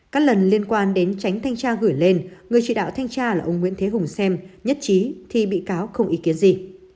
các lần liên quan đến tránh thanh tra gửi lên người chỉ đạo thanh tra là ông nguyễn thế hùng xem nhất trí thì bị cáo không ý kiến gì